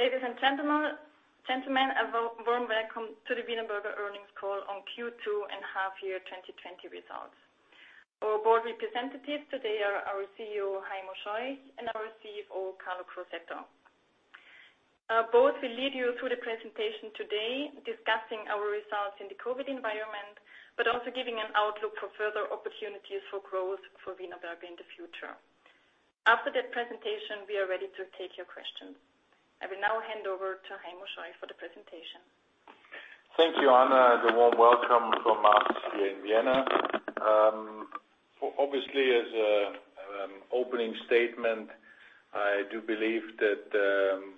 Ladies and gentlemen, a warm welcome to the Wienerberger earnings call on Q2 and half year 2020 results. Our board representatives today are our CEO, Heimo Scheuch, and our CFO, Carlo Crosetto. Both will lead you through the presentation today, discussing our results in the COVID environment, but also giving an outlook for further opportunities for growth for Wienerberger in the future. After that presentation, we are ready to take your questions. I will now hand over to Heimo Scheuch for the presentation. Thank you, Anna. The warm welcome from us here in Vienna. As an opening statement, I do believe that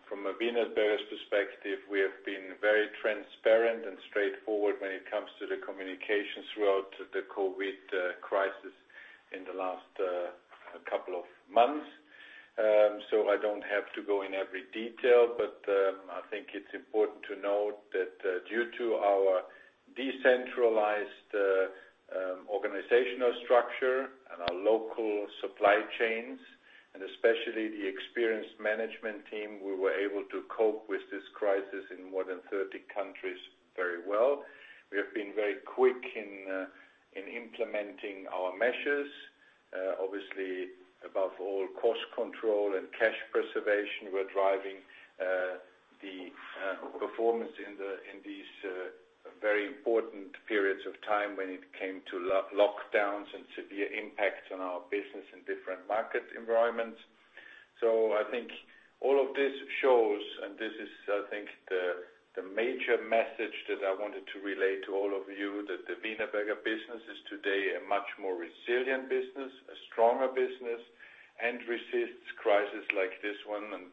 from a Wienerberger perspective, we have been very transparent and straightforward when it comes to the communication throughout the COVID-19 crisis in the last couple of months. I don't have to go in every detail, but I think it's important to note that due to our decentralized organizational structure and our local supply chains, and especially the experienced management team, we were able to cope with this crisis in more than 30 countries very well. We have been very quick in implementing our measures. Above all, cost control and cash preservation were driving the performance in these very important periods of time when it came to lockdowns and severe impacts on our business in different market environments. I think all of this shows, and this is, I think, the major message that I wanted to relay to all of you, that the Wienerberger business is today a much more resilient business, a stronger business, and resists crisis like this one.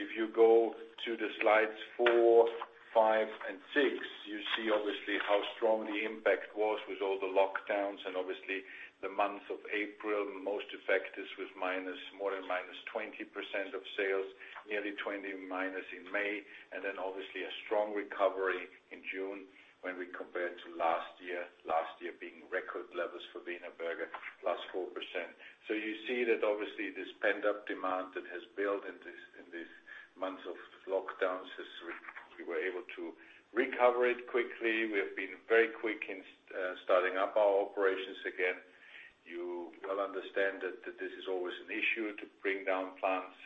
If you go to the slides four, five, and six, you see obviously how strong the impact was with all the lockdowns and obviously the month of April, most effective with more than -20% of sales, nearly -20% in May, and then obviously a strong recovery in June when we compared to last year, last year being record levels for Wienerberger, +4%. You see that obviously this pent-up demand that has built in these months of lockdowns, we were able to recover it quickly. We have been very quick in starting up our operations again. You well understand that this is always an issue to bring down plants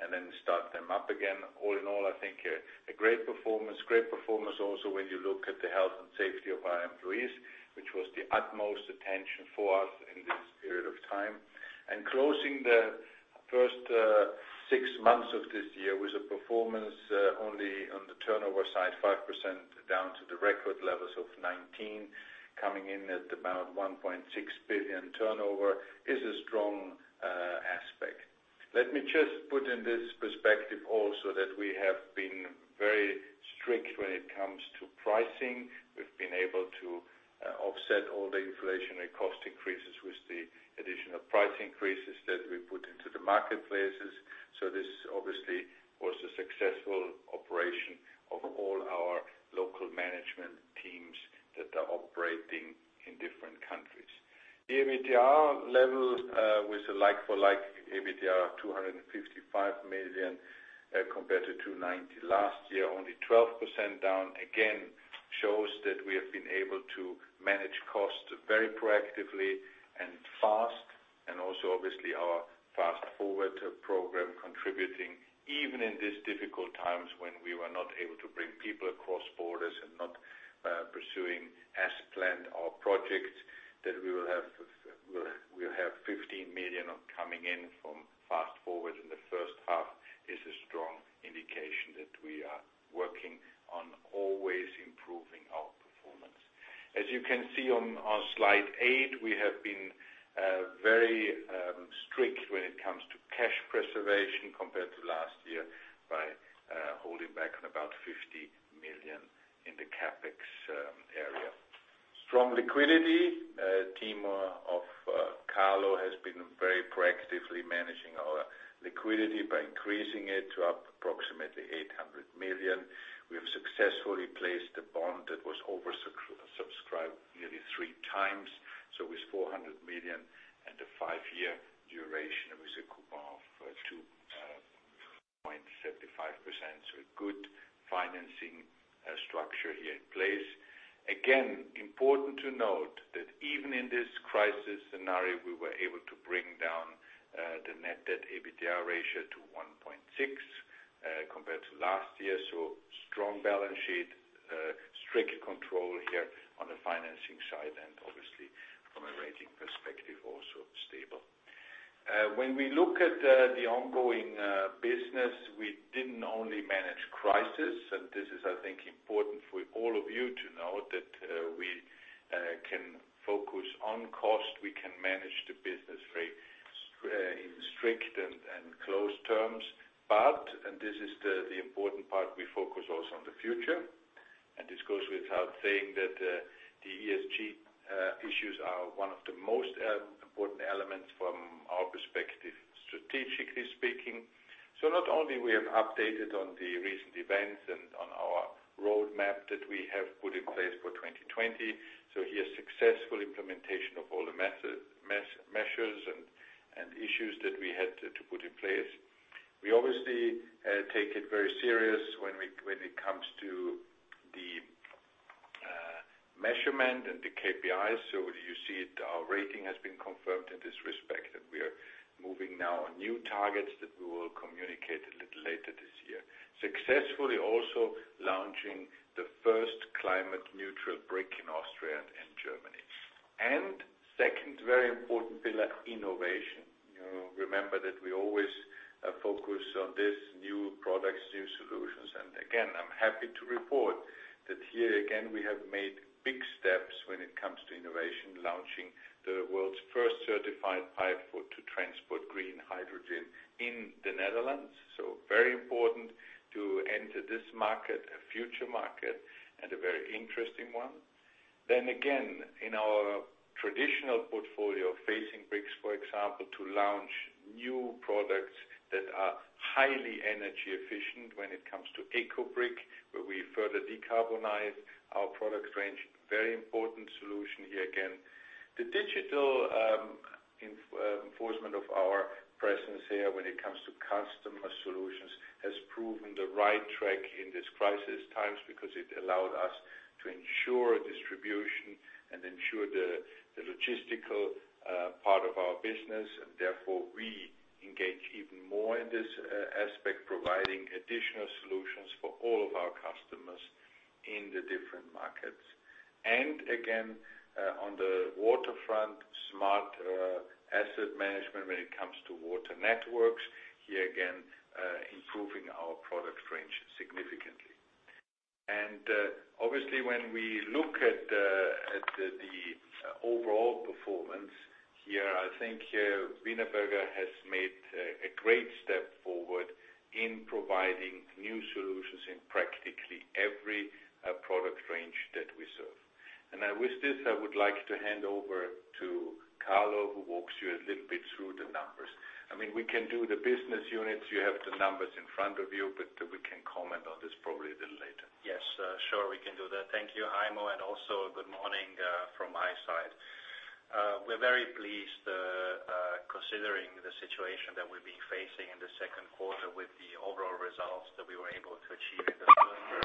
and then start them up again. All in all, I think a great performance. Great performance also when you look at the health and safety of our employees, which was the utmost attention for us in this period of time. Closing the first six months of this year with a performance only on the turnover side, 5% down to the record levels of 2019, coming in at about 1.6 billion turnover, is a strong aspect. Let me just put in this perspective also that we have been very strict when it comes to pricing. We've been able to offset all the inflationary cost increases with the additional price increases that we put into the marketplaces. This obviously was a successful operation of all our local management teams that are operating in different countries. The EBITDA level, with the like-for-like EBITDA of 255 million compared to 290 million last year, only 12% down, again, shows that we have been able to manage costs very proactively and fast, and also obviously our Fast Forward program contributing even in these difficult times when we were not able to bring people across borders and not pursuing as planned our projects that we'll have 15 million coming in from Fast Forward in the first half is a strong indication that we are working on always improving our performance. As you can see on slide eight, we have been very strict when it comes to cash preservation compared to last year by holding back on about 50 million in the CapEx area. Strong liquidity. Team of Carlo has been very proactively managing our liquidity by increasing it to up approximately 800 million. We have successfully placed a bond that was oversubscribed nearly three times, with 400 million and a five-year duration with a coupon of 2.75%, a good financing structure here in place. Again, important to note that even in this crisis scenario, we were able to bring down the Net Debt to EBITDA ratio to 1.6 compared to last year. Strong balance sheet, strict control here on the financing side, and obviously from a rating perspective, also stable. When we look at the ongoing business, we didn't only manage crisis, and this is, I think, important for all of you to know that we can focus on cost, we can manage the business in strict and close terms. This is the important part, we focus also on the future. This goes without saying that the ESG issues are one of the most important elements from our perspective, strategically speaking. Not only we have updated on the recent events and on our roadmap that we have put in place for 2020, here successful implementation of all the measures and issues that we had to put in place. We obviously take it very serious when it comes to the measurement and the KPIs. You see it, our rating has been confirmed in this respect, and we are moving now on new targets that we will communicate a little later this year. Successfully also launching the first climate-neutral brick in Austria and Germany. Second very important pillar, innovation. Remember that we always focus on this, new products, new solutions. Again, I'm happy to report that here again, we have made big steps when it comes to innovation, launching the world's first certified pipe to transport green hydrogen in the Netherlands. Very important to enter this market, a future market, and a very interesting one. Again, in our traditional portfolio, facing bricks, for example, to launch new products that are highly energy efficient when it comes to Eco-brick, where we further decarbonize our product range. Very important solution here again. The digital enforcement of our presence here when it comes to customer solutions has proven the right track in this crisis times because it allowed us to ensure distribution and ensure the logistical part of our business. Therefore, we engage even more in this aspect, providing additional solutions for all of our customers in the different markets. Again, on the waterfront, smart asset management when it comes to water networks. Here again, improving our product range significantly. Obviously, when we look at the overall performance here, I think Wienerberger has made a great step forward in providing new solutions in practically every product range that we serve. With this, I would like to hand over to Carlo, who walks you a little bit through the numbers. We can do the business units. You have the numbers in front of you, but we can comment on this probably a little later. Yes. Sure, we can do that. Thank you, Heimo, also good morning from my side. We're very pleased considering the situation that we've been facing in the second quarter with the overall results that we were able to achieve. Heimo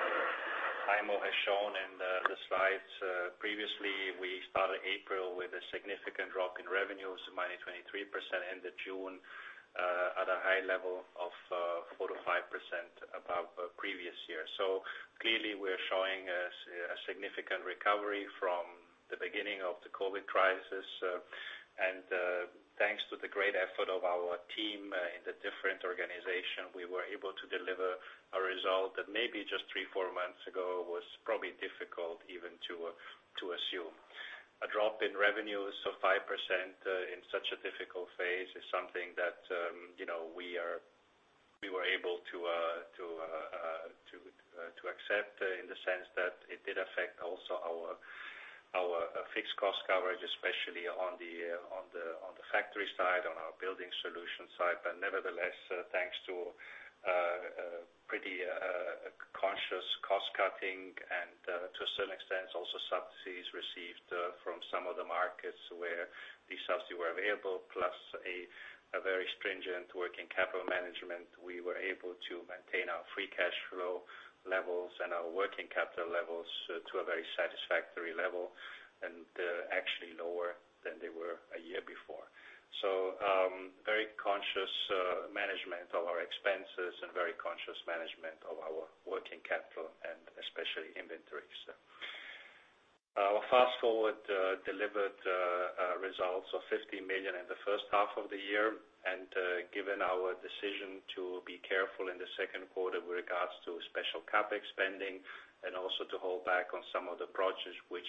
has shown in the slides previously, we started April with a significant drop in revenues, -23%, ended June at a high level of 4%-5% above previous year. Clearly we're showing a significant recovery from the beginning of the COVID crisis. Thanks to the great effort of our team in the different organization, we were able to deliver a result that maybe just three, four months ago was probably difficult even to assume. A drop in revenues of 5% in such a difficult phase is something that we were able to accept in the sense that it did affect also our fixed cost coverage, especially on the factory side, on our Building Solutions side. Nevertheless, thanks to pretty conscious cost cutting and to a certain extent, also subsidies received from some of the markets where the subsidy were available, plus a very stringent working capital management, we were able to maintain our free cash flow levels and our working capital levels to a very satisfactory level, and actually lower than they were one year before. Very conscious management of our expenses and very conscious management of our working capital and especially inventories. Our Fast Forward delivered results of 50 million in the first half of the year. Given our decision to be careful in the second quarter with regards to special CapEx spending, and also to hold back on some of the projects which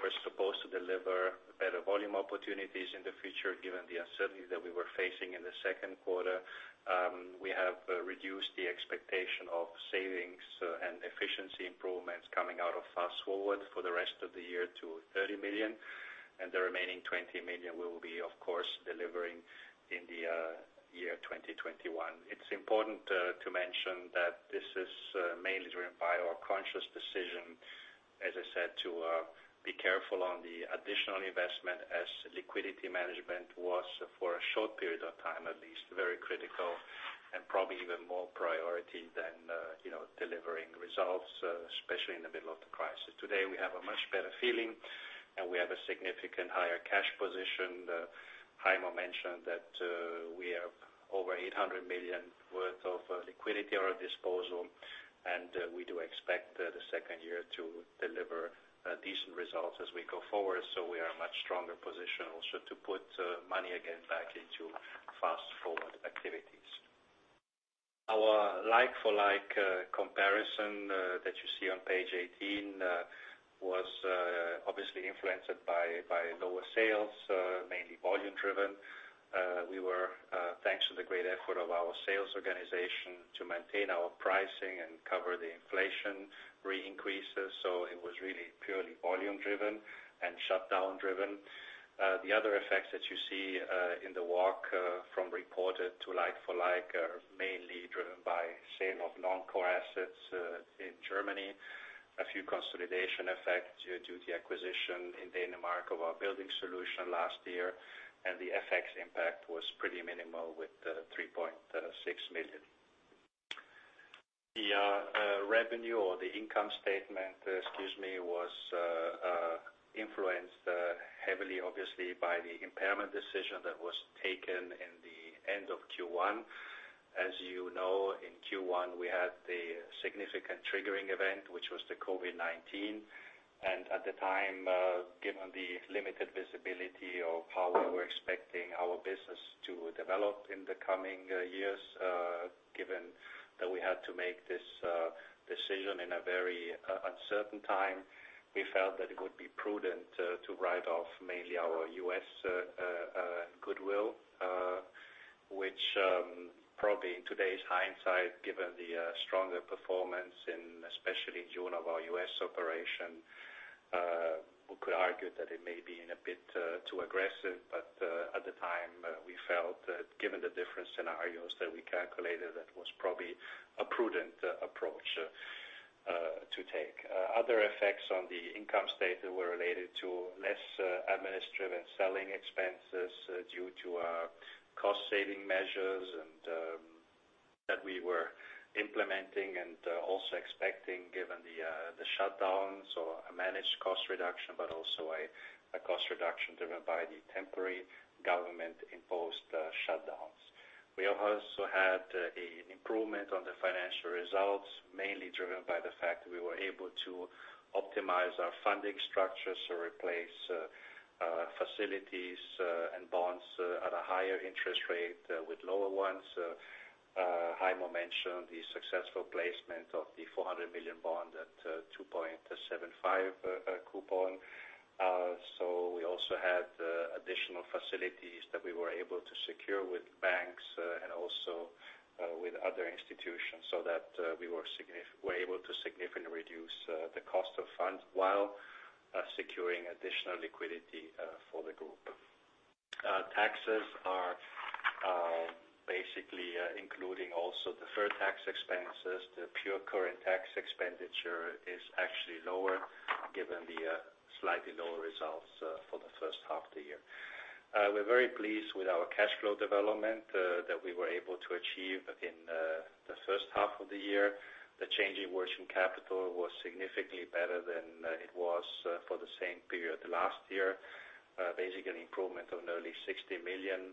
were supposed to deliver better volume opportunities in the future, given the uncertainty that we were facing in the second quarter, we have reduced the expectation of savings and efficiency improvements coming out of Fast Forward for the rest of the year to 30 million. The remaining 20 million we will be, of course, delivering in the year 2021. It is important to mention that this is mainly driven by our conscious decision, as I said, to be careful on the additional investment as liquidity management was for a short period of time, at least, very critical and probably even more priority than delivering results, especially in the middle of the crisis. Today, we have a much better feeling, and we have a significant higher cash position. Heimo mentioned that we have over 800 million of liquidity at our disposal, and we do expect the second year to deliver decent results as we go forward. We are much stronger position also to put money again back into Fast Forward activities. Our like-for-like comparison that you see on page 18 was obviously influenced by lower sales, mainly volume driven. We were, thanks to the great effort of our sales organization, to maintain our pricing and cover the inflation re-increases. It was really purely volume driven and shutdown driven. The other effects that you see in the walk from reported to like-for-like are mainly driven by sale of non-core assets in Germany. A few consolidation effects due to the acquisition in Denmark of our Building Solutions last year, and the FX impact was pretty minimal with 3.6 million. The revenue or the income statement, excuse me, was influenced heavily, obviously, by the impairment decision that was taken in the end of Q1. As you know, in Q1, we had the significant triggering event, which was the COVID-19. At the time, given the limited visibility of how we were expecting our business to develop in the coming years, given that we had to make this decision in a very uncertain time, we felt that it would be prudent to write off mainly our U.S. goodwill, which probably in today's hindsight, given the stronger performance in especially June of our U.S. operation, we could argue that it may be in a bit too aggressive, but at the time, we felt that given the different scenarios that we calculated, that was probably a prudent approach to take. Other effects on the income statement were related to less administrative and selling expenses due to our cost-saving measures that we were implementing and also expecting, given the shutdowns or a managed cost reduction, but also a cost reduction driven by the temporary government-imposed shutdowns. We also had an improvement on the financial results, mainly driven by the fact that we were able to optimize our funding structures to replace facilities and bonds at a higher interest rate with lower ones. Heimo mentioned the successful placement of the 400 million bond at 2.75% coupon. We also had additional facilities that we were able to secure with banks and also with other institutions so that we were able to significantly reduce the cost of funds while securing additional liquidity for the group. Taxes are basically including also deferred tax expenses. The pure current tax expenditure is actually lower given the slightly lower results for the first half of the year. We're very pleased with our cash flow development that we were able to achieve in the first half of the year. The change in working capital was significantly better than it was for the same period last year. An improvement of nearly 60 million.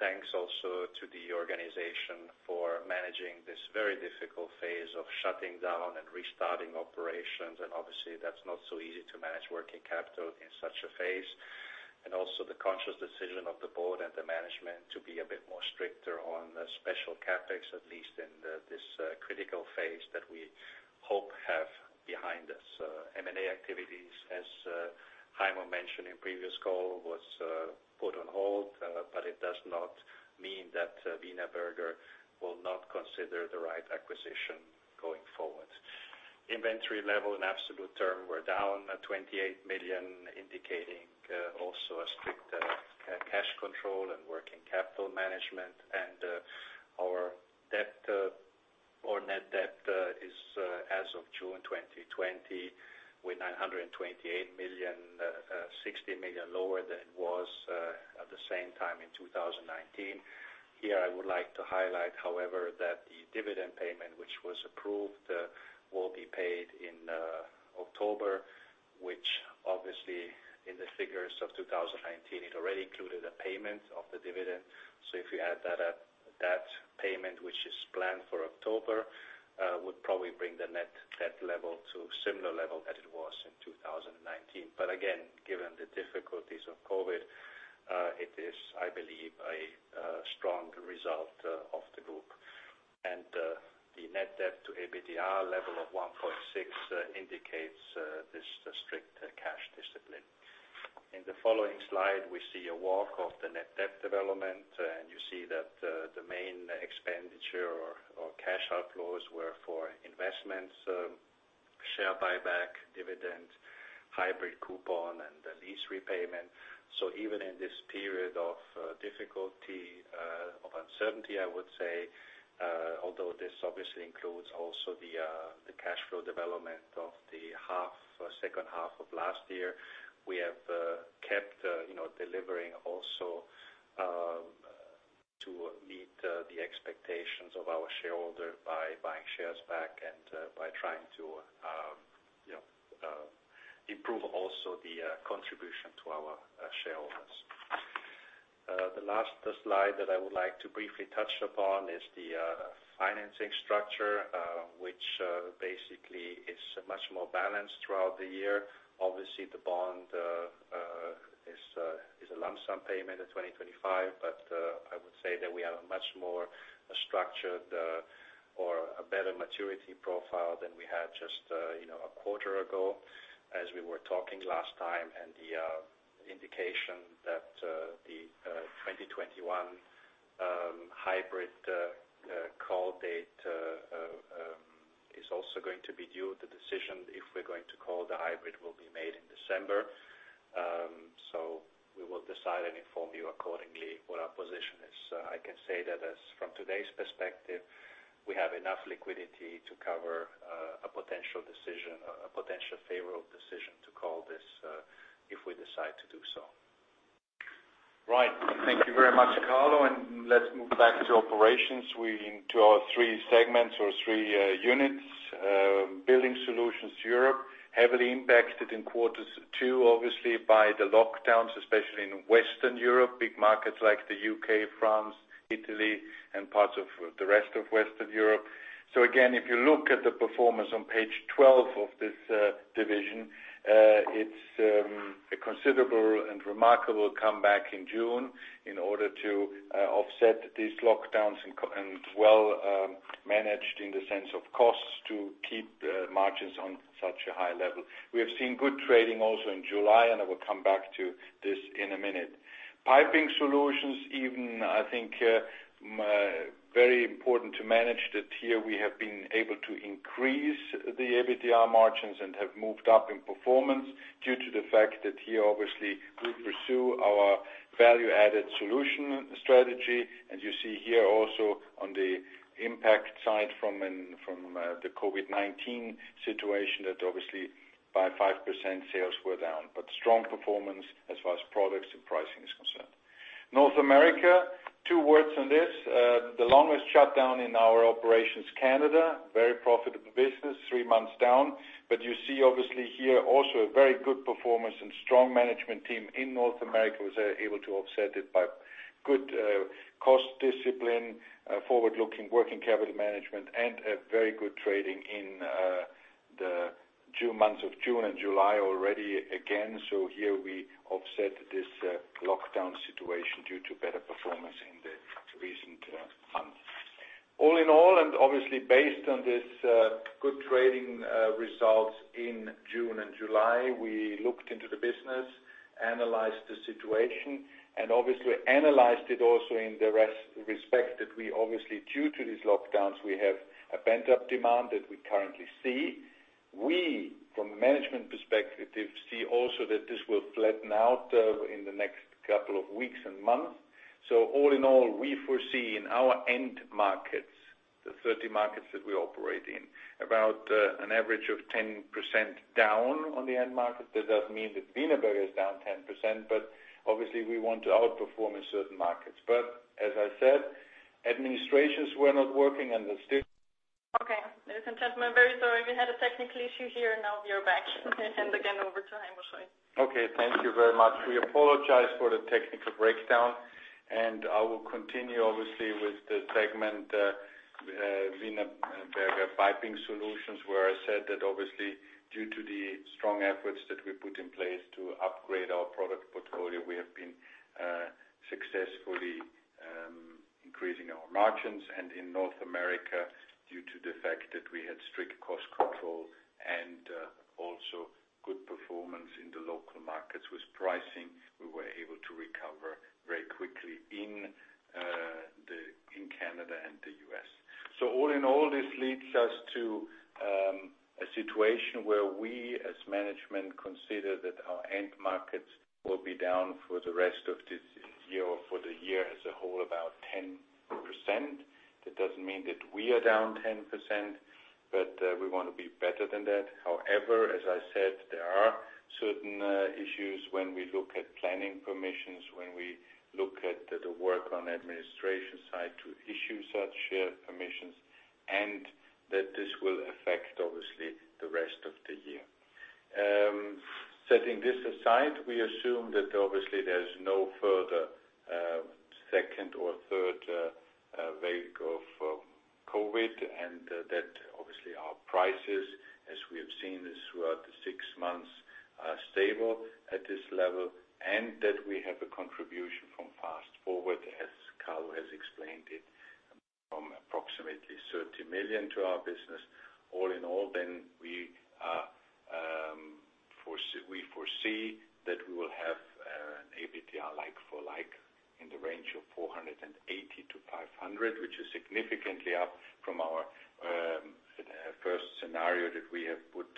Thanks also to the organization for managing this very difficult phase of shutting down and restarting operations, that's not so easy to manage working capital in such a phase. The conscious decision of the board and the management to be a bit more stricter on special CapEx, at least in this critical phase that we hope have behind us. M&A activities, as Heimo mentioned in previous call, was put on hold, it does not mean that Wienerberger will not consider the right acquisition going forward. Inventory level in absolute term were down 28 million, indicating also a strict cash control and working capital management. Our net debt is as of June 2020 with 928 million, 60 million lower than it was at the same time in 2019. Here I would like to highlight, however, that the dividend payment, which was approved, will be paid in October, which obviously in the figures of 2019, it already included a payment of the dividend. If you add that payment, which is planned for October, would probably bring the net debt level to similar level that it was in 2019. Again, given the difficulties of COVID, it is, I believe, a strong result of the group. The Net Debt to EBITDA level of 1.6 indicates this strict cash discipline. In the following slide, we see a walk of the net debt development, and you see that the main expenditure or cash outflows were for investments, share buyback, dividend, hybrid coupon, and the lease repayment. Even in this period of difficulty, of uncertainty, I would say, although this obviously includes also the cash flow development of the second half of last year, we have kept delivering also to meet the expectations of our shareholder by buying shares back and by trying to improve also the contribution to our shareholders. The last slide that I would like to briefly touch upon is the financing structure, which basically is much more balanced throughout the year. Obviously, the bond is a lump sum payment in 2025, but I would say that we have a much more structured or a better maturity profile than we had just a quarter ago as we were talking last time, and the indication that the 2021 hybrid call date is also going to be due. The decision if we're going to call the hybrid will be made in December. We will decide and inform you accordingly what our position is. I can say that as from today's perspective, we have enough liquidity to cover a potential decision, a potential favorable decision to call this if we decide to do so. Thank you very much, Carlo, and let's move back to operations. We into our three segments or three units. Building Solutions Europe heavily impacted in quarters two, obviously by the lockdowns, especially in Western Europe, big markets like the U.K., France, Italy, and parts of the rest of Western Europe. Again, if you look at the performance on page 12 of this division, it's a considerable and remarkable comeback in June in order to offset these lockdowns and well managed in the sense of costs to keep margins on such a high level. We have seen good trading also in July, and I will come back to this in a minute. Piping Solutions, even I think, very important to manage that here we have been able to increase the EBITDA margins and have moved up in performance due to the fact that here obviously we pursue our value-added solution strategy. You see here also on the impact side from the COVID-19 situation that obviously by 5% sales were down, but strong performance as far as products and pricing is concerned. North America, two words on this. The longest shutdown in our operations, Canada, very profitable business, three months down, but you see obviously here also a very good performance and strong management team in North America was able to offset it by good cost discipline, forward-looking working capital management, and a very good trading in the months of June and July already again. Here we offset this lockdown situation due to better performance in the recent months. All in all, obviously based on this good trading results in June and July, we looked into the business, analyzed the situation, and obviously analyzed it also in the respect that we obviously, due to these lockdowns, we have a pent-up demand that we currently see. We, from a management perspective, see also that this will flatten out in the next couple of weeks and months. All in all, we foresee in our end markets, the 30 markets that we operate in, about an average of 10% down on the end market. That doesn't mean that Wienerberger is down 10%, but obviously we want to outperform in certain markets. As I said, administrations were not working. Okay. Ladies and gentlemen, very sorry. We had a technical issue here. Now we are back and again over to Heimo Scheuch. Okay. Thank you very much. We apologize for the technical breakdown. I will continue obviously with the segment, Wienerberger Piping Solutions, where I said that obviously due to the strong efforts that we put in place to upgrade our product portfolio, we have been successfully increasing our margins and in North America, due to the fact that we had strict cost control and also good performance in the local markets with pricing, we were able to recover very quickly in Canada and the U.S. All in all, this leads us to a situation where we, as management, consider that our end markets will be down for the rest of this year or for the year as a whole about 10%. That doesn't mean that we are down 10%, but we want to be better than that. As I said, there are certain issues when we look at planning permissions, when we look at the work on administration side to issue such permissions, and that this will affect, obviously, the rest of the year. Setting this aside, we assume that obviously there's no further second or third wave of COVID, and that obviously our prices, as we have seen this throughout the six months, are stable at this level, and that we have a contribution from Fast Forward, as Carlo has explained it, from approximately 30 million to our business. All in all, we foresee that we will have an EBITDA like for like in the range of 480 million-500 million, which is significantly up from our first scenario that we have put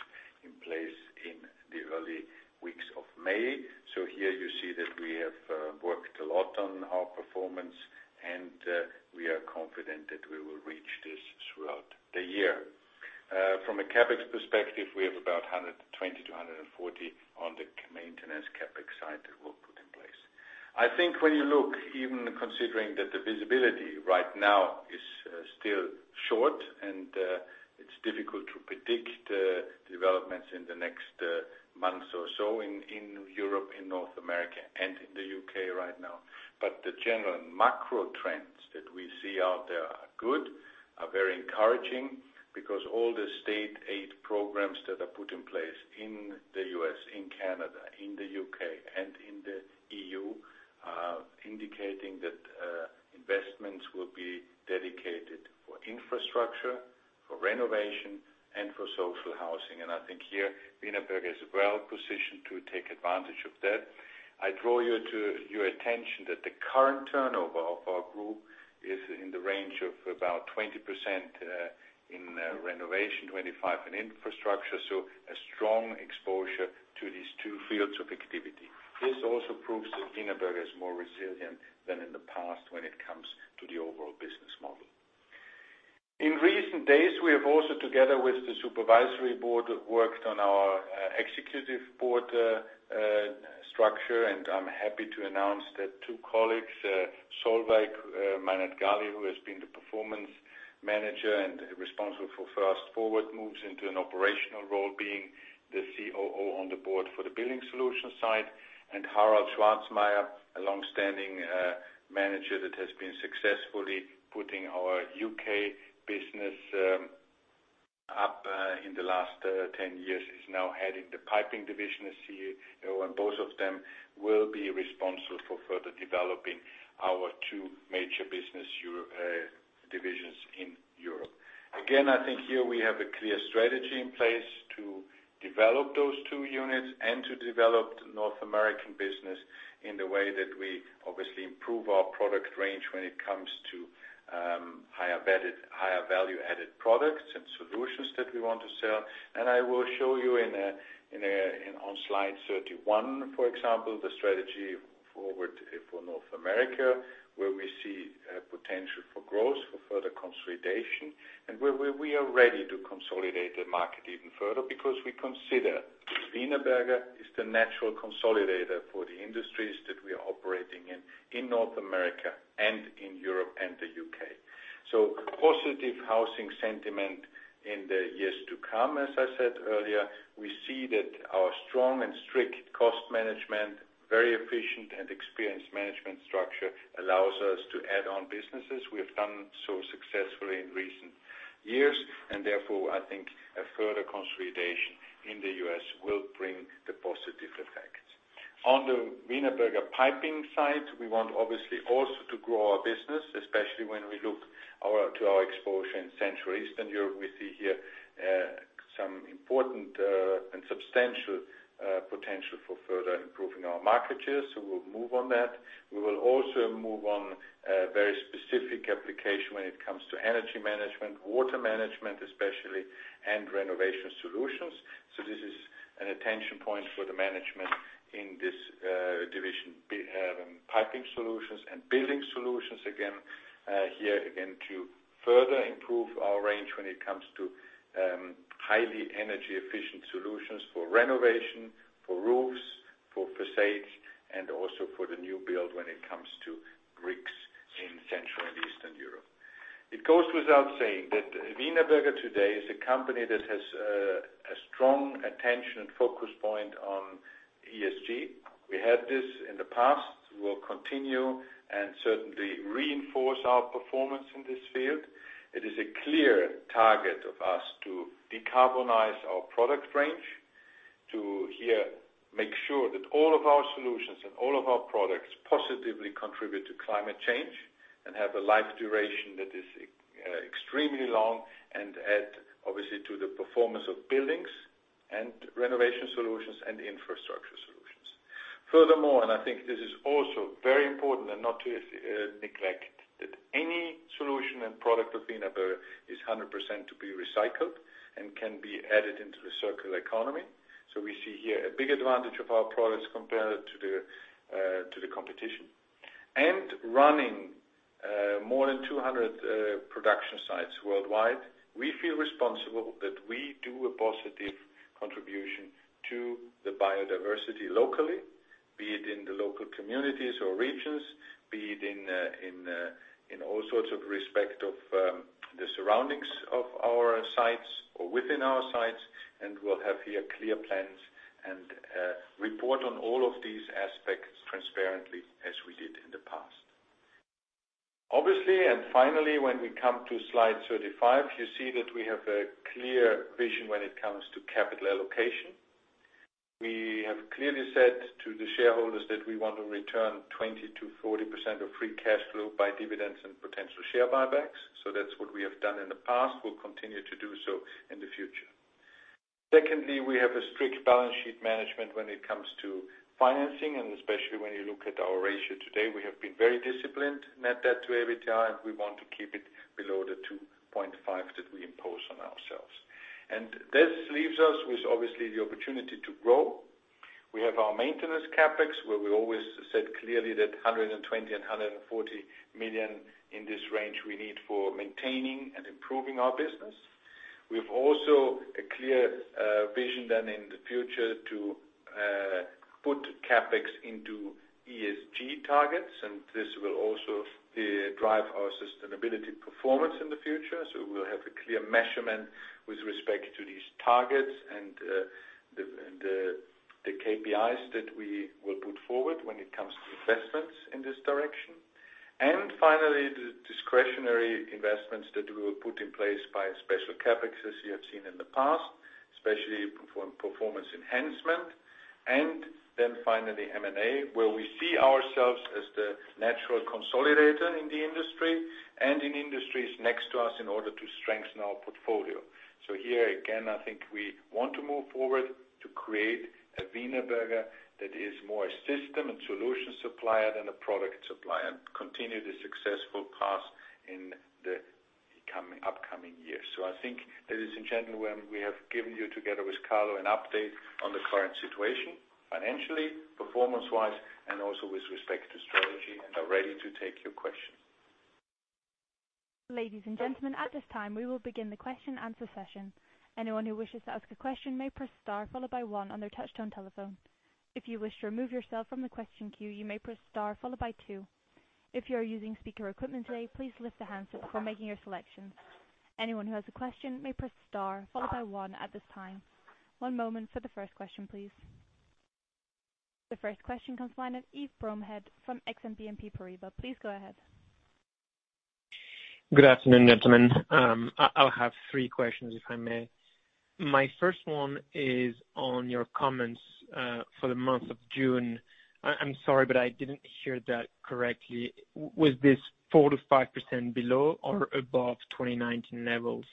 in place in the early weeks of May. Here you see that we have worked a lot on our performance, and we are confident that we will reach this throughout the year. From a CapEx perspective, we have about 120-140 on the maintenance CapEx side that we'll put in place. I think when you look even considering that the visibility right now is still short and it's difficult to predict developments in the next months or so in Europe and North America and in the U.K. right now. The general macro trends that we see out there are good, are very encouraging because all the state aid programs that are put in place in the U.S., in Canada, in the U.K., and in the EU, are indicating that investments will be dedicated for infrastructure, for renovation, and for social housing. I think here, Wienerberger is well positioned to take advantage of that. I draw your attention that the current turnover of our group is in the range of about 20% in renovation, 25% in infrastructure, so a strong exposure to these two fields of activity. This also proves that Wienerberger is more resilient than in the past when it comes to the overall business model. In recent days, we have also, together with the supervisory board, worked on our executive board structure, and I'm happy to announce that two colleagues, Solveig Menard-Galli, who has been the performance manager and responsible for Fast Forward, moves into an operational role being the COO on the board for the Building Solutions side, and Harald Schwarzmayr, a long-standing manager that has been successfully booting our U.K. business up in the last 10 years, is now heading the Piping Solutions division as CEO, and both of them will be responsible for further developing our two major business divisions in Europe. Again, I think here we have a clear strategy in place to develop those two units and to develop the North American business in the way that we obviously improve our product range when it comes to higher value-added products and solutions that we want to sell. I will show you on slide 31, for example, the strategy forward for North America, where we see potential for growth, for further consolidation, and where we are ready to consolidate the market even further because we consider Wienerberger is the natural consolidator for the industries that we are operating in North America and in Europe and the U.K. Positive housing sentiment in the years to come, as I said earlier. We see that our strong and strict cost management, very efficient and experienced management structure, allows us to add on businesses. We have done so successfully in recent years, and therefore, I think a further consolidation in the U.S. will bring the positive effects. On the Wienerberger piping side, we want obviously also to grow our business, especially when we look to our exposure in Central Eastern Europe. We see here some important and substantial potential for further improving our market shares, so we'll move on that. We will also move on a very specific application when it comes to energy management, water management especially, and renovation solutions. This is an attention point for the management in this division, Piping Solutions and Building Solutions. Again, here to further improve our range when it comes to highly energy-efficient solutions for renovation, for roofs, for facades, and also for the new build when it comes to bricks in Central and Eastern Europe. It goes without saying that Wienerberger today is a company that has a strong attention and focus point on ESG. We had this in the past. We will continue and certainly reinforce our performance in this field. It is a clear target of us to decarbonize our product range, to here make sure that all of our solutions and all of our products positively contribute to climate change and have a life duration that is extremely long and add obviously to the performance of buildings and renovation solutions and infrastructure solutions. Furthermore, and I think this is also very important and not to neglect, that any solution and product of Wienerberger is 100% to be recycled and can be added into the circular economy. We see here a big advantage of our products compared to the competition. Running more than 200 production sites worldwide, we feel responsible that we do a positive contribution to the biodiversity locally, be it in the local communities or regions, be it in all sorts of respect of the surroundings of our sites or within our sites. We'll have here clear plans and report on all of these aspects transparently as we did in the past. Obviously, and finally, when we come to slide 35, you see that we have a clear vision when it comes to capital allocation. We have clearly said to the shareholders that we want to return 20%-40% of free cash flow by dividends and potential share buybacks. That's what we have done in the past. We'll continue to do so in the future. Secondly, we have a strict balance sheet management when it comes to financing, and especially when you look at our ratio today, we have been very disciplined, Net Debt to EBITDA, and we want to keep it below the 2.5 that we impose on ourselves. This leaves us with obviously the opportunity to grow. We have our maintenance CapEx, where we always said clearly that 120 million-140 million in this range we need for maintaining and improving our business. We've also a clear vision then in the future to put CapEx into ESG targets, and this will also drive our sustainability performance in the future. We'll have a clear measurement with respect to these targets and the KPIs that we will put forward when it comes to investments in this direction. Finally, the discretionary investments that we will put in place by special CapEx, as you have seen in the past, especially performance enhancement. Finally, M&A, where we see ourselves as the natural consolidator in the industry and in industries next to us in order to strengthen our portfolio. Here again, I think we want to move forward to create a Wienerberger that is more a system and solution supplier than a product supplier, and continue the successful path in the upcoming years. I think, ladies and gentlemen, we have given you together with Carlo, an update on the current situation, financially, performance-wise, and also with respect to strategy and are ready to take your questions. The first question comes from the line of Yves Bromehead from Exane BNP Paribas. Please go ahead. Good afternoon, gentlemen. I'll have three questions, if I may. My first one is on your comments, for the month of June. I'm sorry, I didn't hear that correctly. Was this 4%-5% below or above 2019 levels?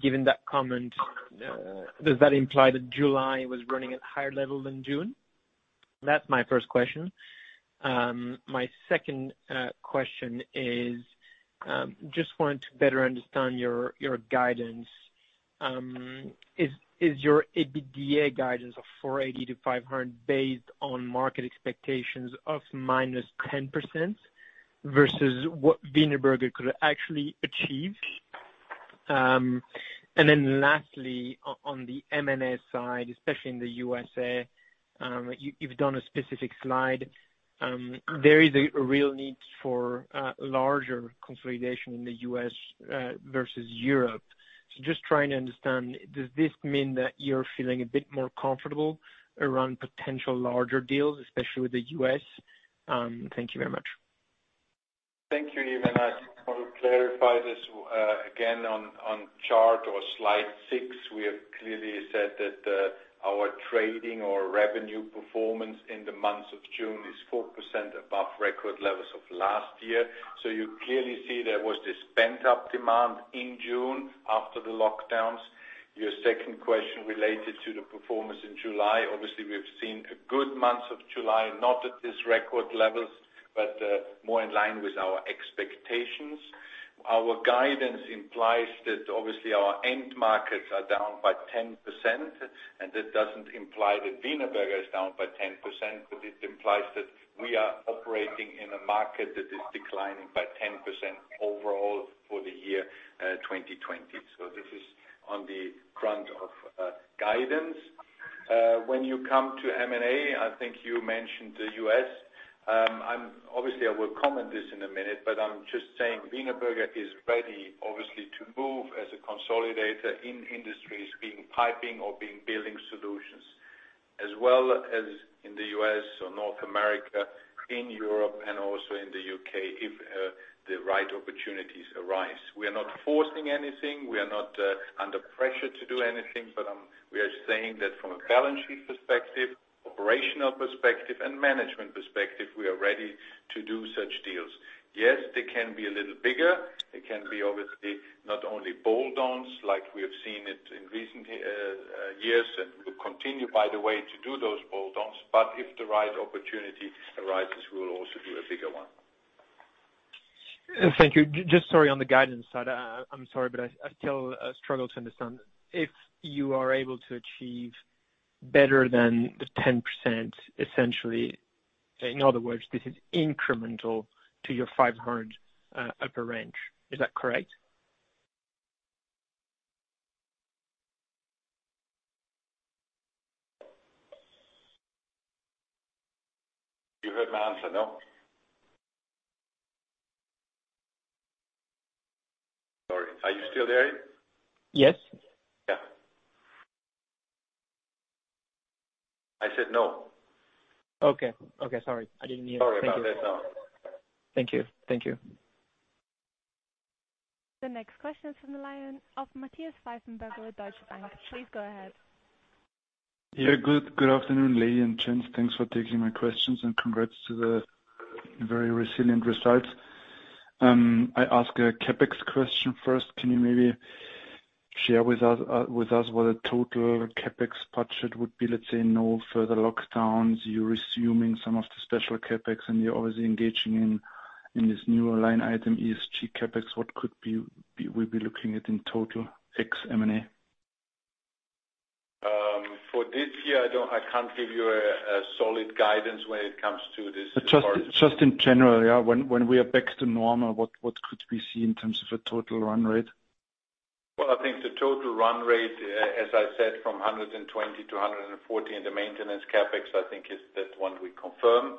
Given that comment, does that imply that July was running at a higher level than June? That's my first question. My second question is, I just want to better understand your guidance. Is your EBITDA guidance of 480-500 based on market expectations of -10% versus what Wienerberger could actually achieve? Lastly, on the M&A side, especially in the USA, you've done a specific slide. There is a real need for larger consolidation in the U.S. versus Europe. Trying to understand, does this mean that you're feeling a bit more comfortable around potential larger deals, especially with the U.S.? Thank you very much. Thank you, Yves. I just want to clarify this again on chart or slide six. We have clearly said that our trading or revenue performance in the months of June is 4% above record levels of last year. You clearly see there was this pent-up demand in June after the lockdowns. Your second question related to the performance in July. Obviously, we've seen a good month of July, not at this record levels, but more in line with our expectations. Our guidance implies that obviously our end markets are down by 10%, and that doesn't imply that Wienerberger is down by 10%, but it implies that we are operating in a market that is declining by 10% overall for the year 2020. This is on the front of guidance. When you come to M&A, I think you mentioned the U.S. Obviously, I will comment this in a minute, but I'm just saying Wienerberger is ready, obviously, to move as a consolidator in industries being piping or being Building Solutions, as well as in the U.S. or North America, in Europe and also in the U.K. if the right opportunities arise. We are not forcing anything. We are not under pressure to do anything, but we are saying that from a balance sheet perspective, operational perspective, and management perspective, we are ready to do such deals. Yes, they can be a little bigger. They can be obviously not only bolt-ons like we have seen it in recent years, and we continue, by the way, to do those bolt-ons. If the right opportunity arises, we will also do a bigger one. Thank you. Just sorry on the guidance side. I'm sorry, I still struggle to understand. If you are able to achieve better than the 10%, essentially, in other words, this is incremental to your 500 million upper range. Is that correct? You heard my answer, no? Sorry. Are you still there? Yes. Yeah. I said no. Okay. Sorry. I didn't hear. Thank you. Sorry about that. No. Thank you. The next question is from the line of Matthias Pfeifenberger with Deutsche Bank. Please go ahead. Good afternoon, ladies and gents. Thanks for taking my questions and congrats to the very resilient results. I ask a CapEx question first. Can you maybe share with us what a total CapEx budget would be, let's say no further lockdowns, you're resuming some of the special CapEx and you're obviously engaging in this new line item, ESG CapEx. What could we be looking at in total ex M&A? For this year, I can't give you a solid guidance when it comes to this. Just in general, yeah. When we are back to normal, what could we see in terms of a total run rate? Well, I think the total run rate, as I said, from 120-140 in the maintenance CapEx, I think is that one we confirm.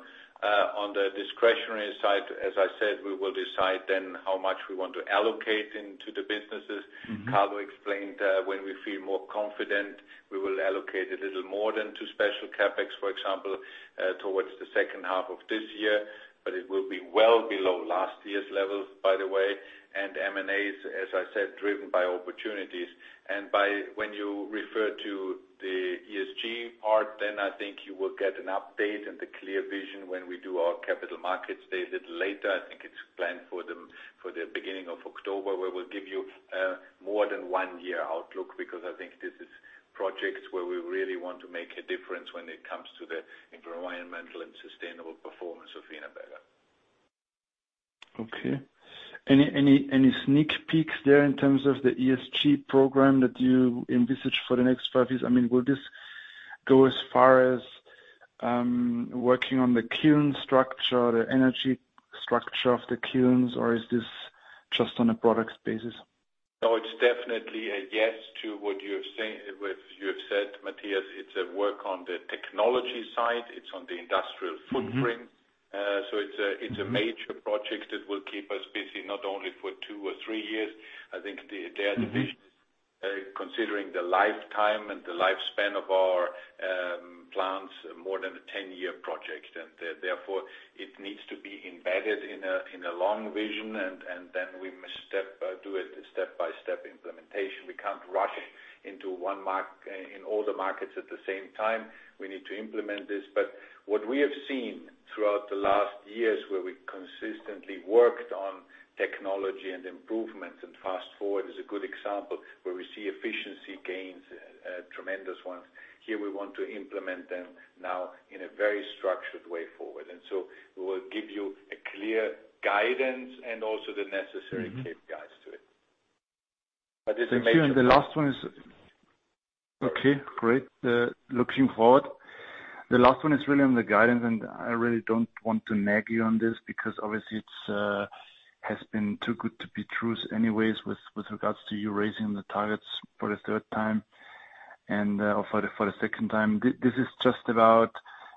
On the discretionary side, as I said, we will decide then how much we want to allocate into the businesses. Carlo explained when we feel more confident, we will allocate a little more than to special CapEx, for example, towards the second half of this year, but it will be well below last year's levels, by the way. M&A is, as I said, driven by opportunities. When you refer to the ESG part, then I think you will get an update and a clear vision when we do our capital markets day a little later. I think it's planned for the beginning of October, where we'll give you more than one-year outlook because I think this is projects where we really want to make a difference when it comes to the environmental and sustainable performance of Wienerberger. Okay. Any sneak peeks there in terms of the ESG program that you envisage for the next five years? I mean, will this go as far as working on the kiln structure, the energy structure of the kilns, or is this just on a product basis? No, it's definitely a yes to what you have said, Matthias. It's a work on the technology side, it's on the industrial footprint. It's a major project that will keep us busy not only for two or three years. I think the dare division, considering the lifetime and the lifespan of our plants, more than a 10-year project. Therefore, it needs to be embedded in a long vision, and then we must do a step-by-step implementation. We can't rush into all the markets at the same time. We need to implement this. What we have seen throughout the last years, where we consistently worked on technology and improvements, and Fast Forward is a good example, where we see efficiency gains, tremendous ones. Here we want to implement them now in a very structured way forward. We will give you a clear guidance and also guides to it. It's a major. Thank you. Okay, great. Looking forward. The last one is really on the guidance. I really don't want to nag you on this because obviously it has been too good to be true anyways with regards to you raising the targets for the third time and for the second time. This is just about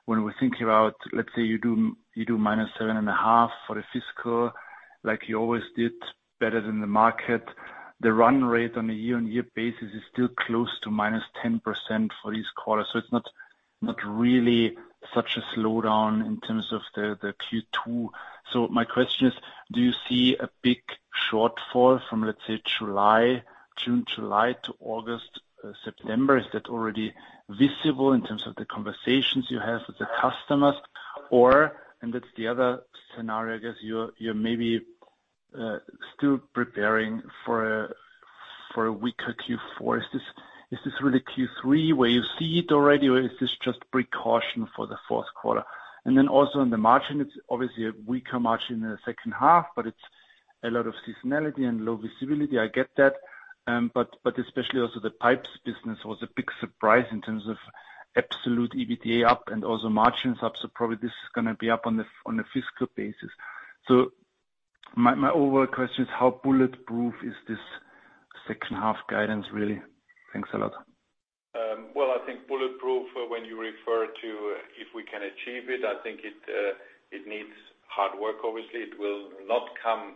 when we think about, let's say you do -7.5% for the fiscal like you always did, better than the market. The run rate on a year-on-year basis is still close to -10% for this quarter. It's not really such a slowdown in terms of the Q2. My question is, do you see a big shortfall from, let's say, June, July to August, September? Is that already visible in terms of the conversations you have with the customers? That's the other scenario, I guess you're maybe still preparing for a weaker Q4. Is this really Q3 where you see it already, or is this just precaution for the fourth quarter? Then also on the margin, it's obviously a weaker margin in the second half, but it's a lot of seasonality and low visibility, I get that. Especially also the pipes business was a big surprise in terms of absolute EBITDA up and also margins up. Probably this is going to be up on a fiscal basis. My overall question is how bulletproof is this second half guidance really? Thanks a lot. Well, I think bulletproof, when you refer to if we can achieve it, I think it needs hard work. Obviously, it will not come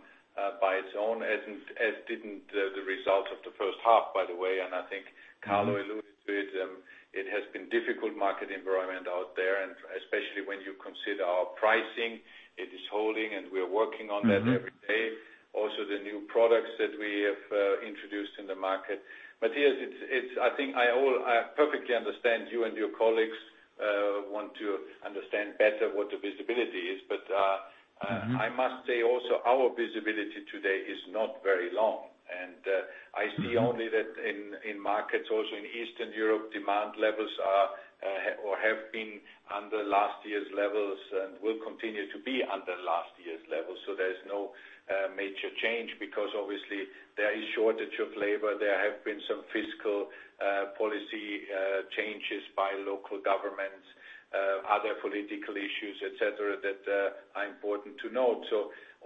by its own as didn't the results of the first half, by the way. I think Carlo alluded to it. It has been difficult market environment out there, and especially when you consider our pricing, it is holding and we are working on that every day. Also the new products that we have introduced in the market. Matthias, I think I perfectly understand you and your colleagues want to understand better what the visibility is. I must say also our visibility today is not very long. I see only that in markets also in Eastern Europe, demand levels are or have been under last year's levels and will continue to be under last year's levels. There is no major change because obviously there is shortage of labor. There have been some fiscal policy changes by local governments, other political issues, et cetera, that are important to note.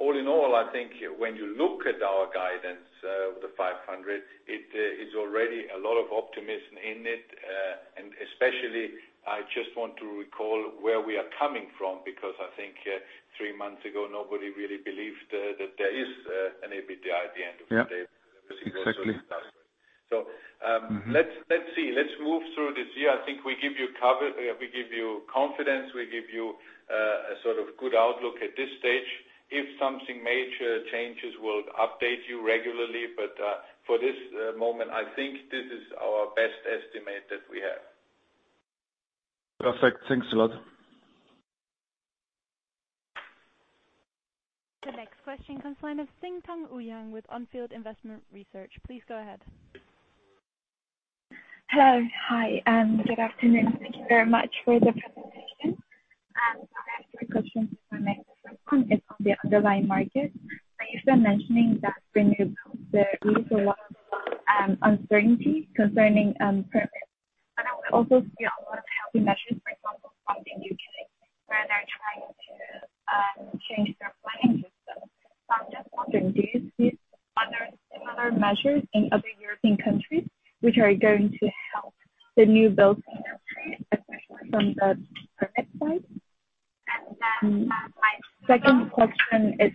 All in all, I think when you look at our guidance with the 500, it is already a lot of optimism in it. Especially I just want to recall where we are coming from because I think three months ago nobody really believed that there is an EBITDA at the end of the day. Yeah. Exactly. Let's see. Let's move through this year. I think we give you confidence, we give you a sort of good outlook at this stage. If something major changes, we will update you regularly. For this moment, I think this is our best estimate that we have. Perfect. Thanks a lot. The next question comes from the line of Xintong Ouyang with On Field Investment Research. Please go ahead. Hello. Hi, good afternoon. Thank you very much for the presentation. My first question is on the underlying market. You've been mentioning that the new builds, there is a lot of uncertainty concerning permits. We also see a lot of helping measures, for example, from the U.K., where they're trying to change their planning system. I'm just wondering, do you see other similar measures in other European countries which are going to help the new build from the permit side? My second question is.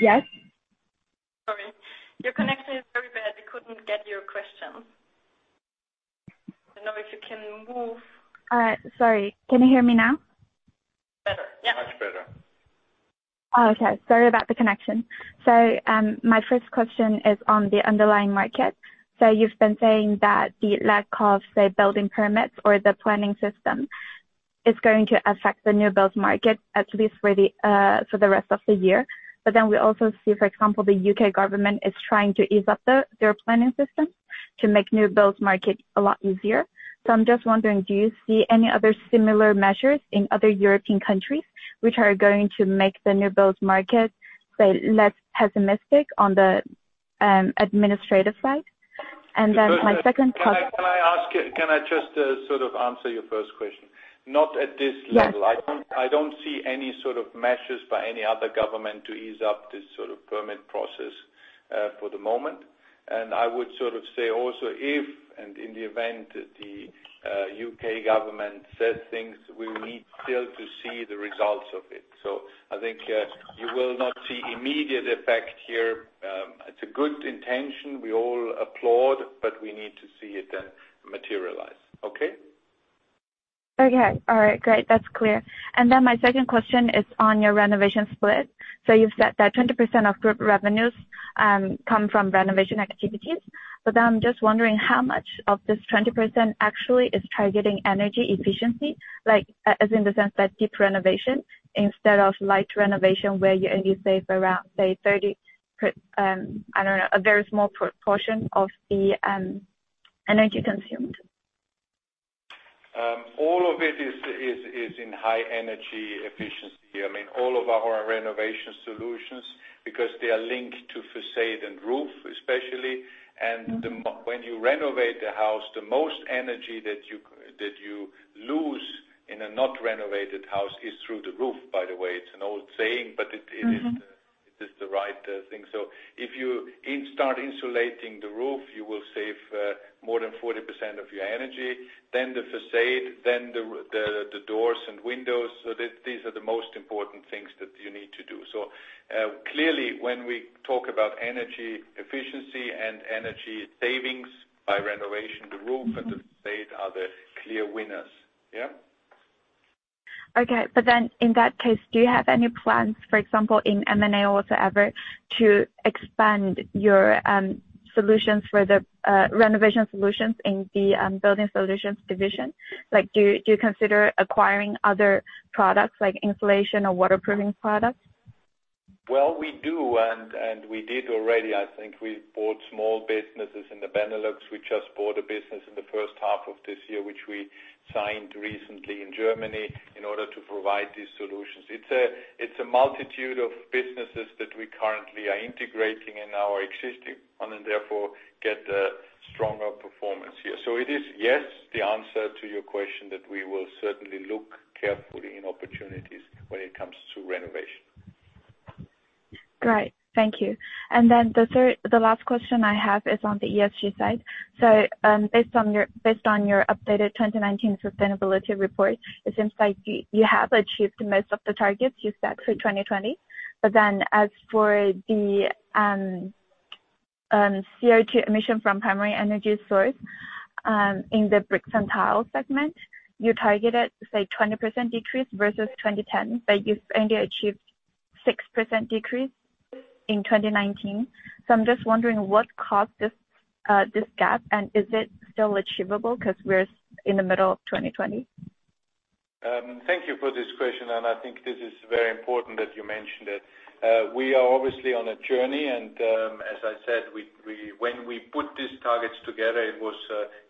Yes? Sorry. Your connection is very bad. We couldn't get your question. I don't know if you can move. All right. Sorry. Can you hear me now? Better. Yeah. Much better. Okay. Sorry about the connection. My first question is on the underlying market. You've been saying that the lack of, say, building permits or the planning system is going to affect the new builds market at least for the rest of the year. We also see, for example, the U.K. government is trying to ease up their planning system to make new builds market a lot easier. I'm just wondering, do you see any other similar measures in other European countries which are going to make the new builds market, say, less pessimistic on the administrative side. My second question- Can I just sort of answer your first question? Not at this level. Yes. I don't see any sort of measures by any other government to ease up this sort of permit process for the moment. I would sort of say also if and in the event that the U.K. government says things, we will need still to see the results of it. I think you will not see immediate effect here. It's a good intention. We all applaud, but we need to see it then materialize. Okay? Okay. All right. Great. That's clear. My second question is on your renovation split. You've said that 20% of group revenues come from renovation activities, I'm just wondering how much of this 20% actually is targeting energy efficiency, like as in the sense that deep renovation instead of light renovation where you only save around, say, I don't know, a very small proportion of the energy consumed. All of it is in high energy efficiency. I mean, all of our renovation solutions because they are linked to façade and roof especially. When you renovate the house, the most energy that you lose in a not renovated house is through the roof, by the way. It's an old saying, but it is the right thing. If you start insulating the roof, you will save more than 40% of your energy. The façade, then the doors and windows. These are the most important things that you need to do. Clearly when we talk about energy efficiency and energy savings by renovation, the roof and the façade are the clear winners. Yeah? Okay. In that case, do you have any plans, for example, in M&A whatsoever to expand your renovation solutions in the Building Solutions division? Do you consider acquiring other products like insulation or waterproofing products? Well, we do, and we did already. I think we bought small businesses in the Benelux. We just bought a business in the first half of this year, which we signed recently in Germany in order to provide these solutions. It's a multitude of businesses that we currently are integrating in our existing one and therefore get a stronger performance here. It is yes, the answer to your question, that we will certainly look carefully in opportunities when it comes to renovation. Great. Thank you. The last question I have is on the ESG side. Based on your updated 2019 sustainability report, it seems like you have achieved most of the targets you set for 2020. As for the CO2 emission from primary energy source, in the bricks and tiles segment, you targeted, say 20% decrease versus 2010, but you've only achieved 6% decrease in 2019. I'm just wondering what caused this gap, and is it still achievable because we're in the middle of 2020? Thank you for this question, and I think this is very important that you mentioned it. We are obviously on a journey, and as I said, when we put these targets together, it was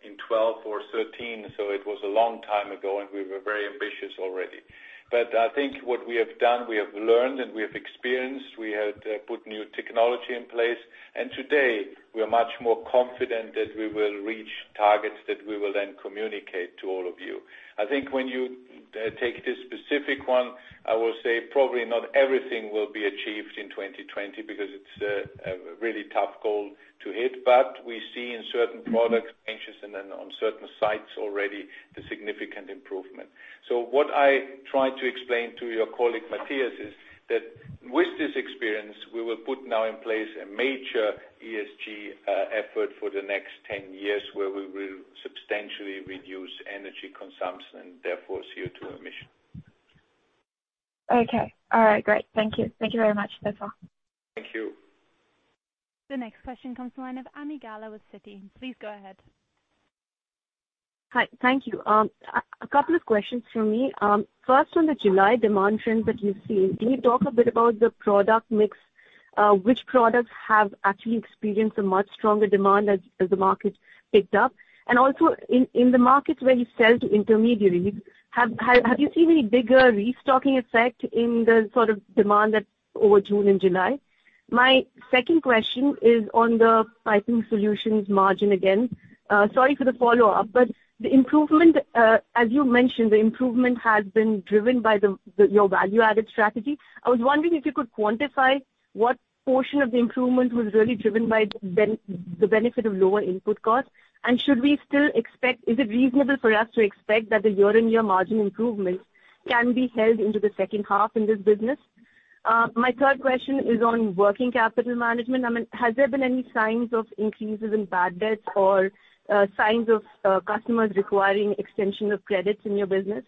in 2012 or 2013, so it was a long time ago, and we were very ambitious already. I think what we have done, we have learned and we have experienced, we had put new technology in place, and today we are much more confident that we will reach targets that we will then communicate to all of you. I think when you take this specific one, I will say probably not everything will be achieved in 2020 because it's a really tough goal to hit. We see in certain products, ranges, and then on certain sites already, the significant improvement. What I tried to explain to your colleague Matthias is that with this experience, we will put now in place a major ESG effort for the next 10 years where we will substantially reduce energy consumption and therefore CO2 emission. Okay. All right. Great. Thank you. Thank you very much. That's all. Thank you. The next question comes from the line of Ami Galla with Citi. Please go ahead. Hi. Thank you. A couple of questions from me. First, on the July demand trends that you've seen, can you talk a bit about the product mix? Which products have actually experienced a much stronger demand as the market picked up? Also, in the markets where you sell to intermediaries, have you seen any bigger restocking effect in the sort of demand over June and July? My second question is on the Piping Solutions margin again. Sorry for the follow-up, as you mentioned, the improvement has been driven by your value-added strategy. I was wondering if you could quantify what portion of the improvement was really driven by the benefit of lower input cost. Is it reasonable for us to expect that the year-on-year margin improvements can be held into the second half in this business? My third question is on working capital management. Has there been any signs of increases in bad debts or signs of customers requiring extension of credits in your business?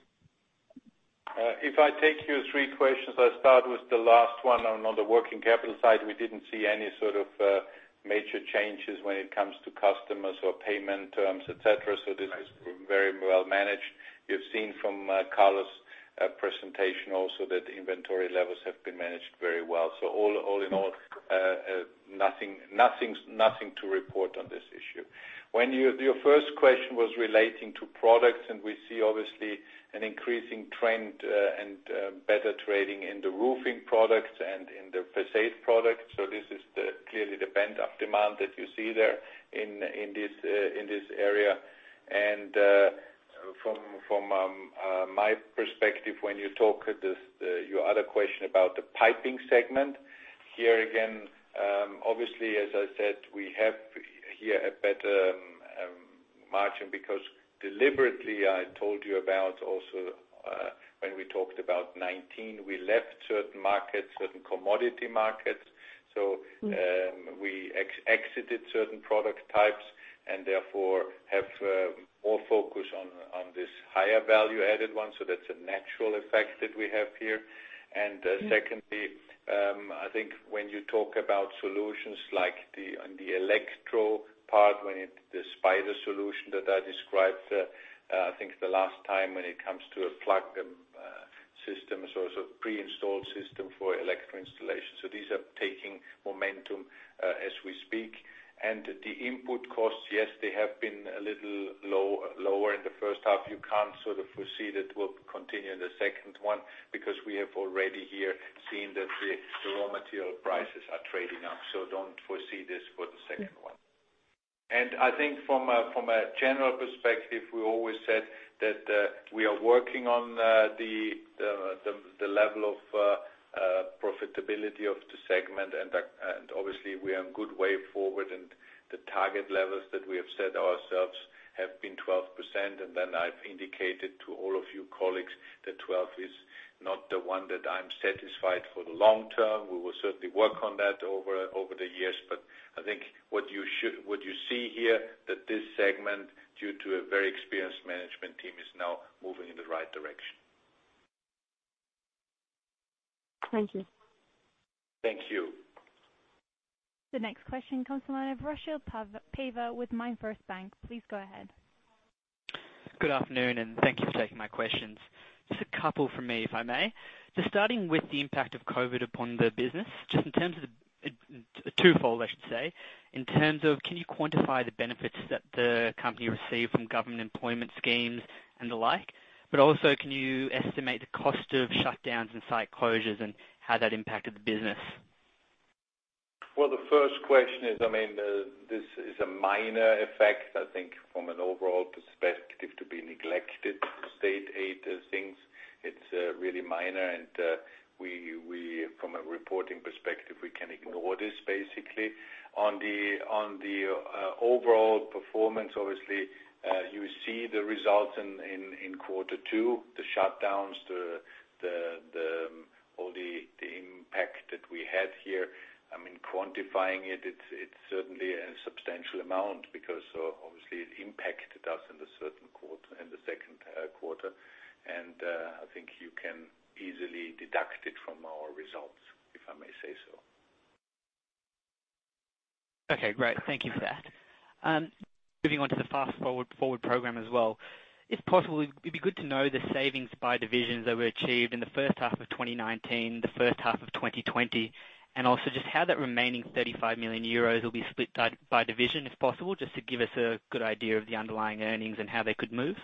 If I take your three questions, I start with the last one. On the working capital side, we didn't see any sort of major changes when it comes to customers or payment terms, et cetera. This is very well managed. You've seen from Carlo's presentation also that the inventory levels have been managed very well. All in all, nothing to report on this issue. Your first question was relating to products, we see obviously an increasing trend and better trading in the roofing products and in the façade products. This is clearly the pent-up demand that you see there in this area. From my perspective, when you talk your other question about the piping segment, here again, obviously, as I said, we have here a better margin because deliberately, I told you about also when we talked about 2019, we left certain markets, certain commodity markets. We exited certain product types and therefore have more focus on this higher value-added one. That's a natural effect that we have here. Secondly, I think when you talk about solutions like on the electro part, the Spider solution that I described, I think the last time when it comes to a plug system, so pre-installed system for electro installation. These are taking momentum as we speak. The input costs, yes, they have been a little lower in the first half. You can't foresee that will continue in the second one because we have already here seen that the raw material prices are trading up. Don't foresee this for the second one. I think from a general perspective, we always said that we are working on the level of profitability of the segment, and obviously we are in good way forward and the target levels that we have set ourselves have been 12%. I've indicated to all of you colleagues that 12 is not the one that I'm satisfied for the long term. We will certainly work on that over the years. I think what you see here that this segment, due to a very experienced management team, is now moving in the right direction. Thank you. Thank you. The next question comes from the line of Russell Quelch with Redburn. Please go ahead. Good afternoon. Thank you for taking my questions. A couple from me, if I may. Starting with the impact of COVID upon the business, twofold I should say, in terms of can you quantify the benefits that the company received from government employment schemes and the like, but also can you estimate the cost of shutdowns and site closures and how that impacted the business? Well, the first question is, this is a minor effect, I think from an overall perspective to be neglected state aid things. It's really minor and from a reporting perspective, we can ignore this basically. On the overall performance, obviously, you see the results in Q2, the shutdowns, all the impact that we had here. Quantifying it's certainly a substantial amount because obviously it impacted us in the second quarter. I think you can easily deduct it from our results, if I may say so. Okay, great. Thank you for that. Moving on to the Fast Forward program as well. If possible, it'd be good to know the savings by divisions that were achieved in the first half of 2019, the first half of 2020, and also just how that remaining 35 million euros will be split by division, if possible, just to give us a good idea of the underlying earnings and how they could move.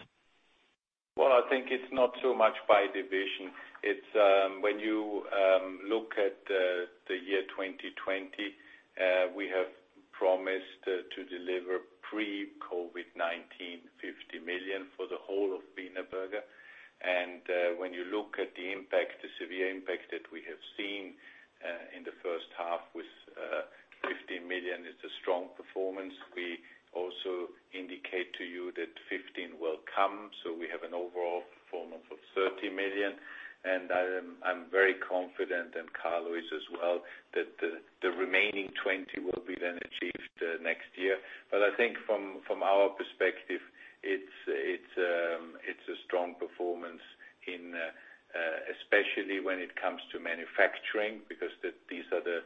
I think it's not so much by division. When you look at the year 2020, we have promised to deliver pre-COVID-19, 50 million for the whole of Wienerberger. When you look at the impact, the severe impact that we have seen in the first half with 15 million is a strong performance. We also indicate to you that 15 will come, we have an overall performance of 30 million, I'm very confident and Carlo is as well, that the remaining 20 will be then achieved next year. I think from our perspective, it's a strong performance especially when it comes to manufacturing, because these are the